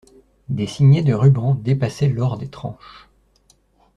Des signets de rubans dépassaient l'or des tranches.